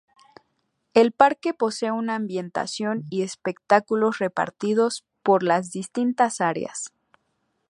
El parque posee una ambientación y espectáculos repartidos por las distintas áreas.